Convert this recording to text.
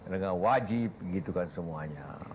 dengan wajib gitu kan semuanya